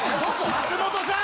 松本さん！